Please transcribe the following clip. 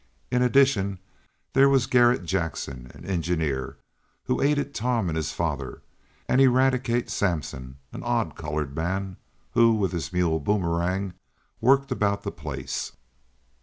In addition, there was Garret Jackson, an engineer, who aided Tom and his father, and Eradicate Sampson, an odd colored man, who, with his mule, Boomerang, worked about the place.